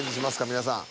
皆さん。